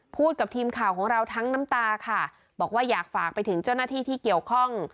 พูดกับทีมข่าวของเราทั้งน้ำตาค่ะบอกว่าอยากฝากไปถึงเจ้าหน้าที่ที่เกี่ยวข้อง